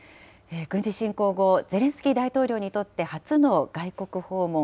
軍事侵攻後、ゼレンスキー大統領にとって初の外国訪問。